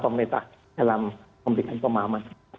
pemerintah dalam memberikan pemahaman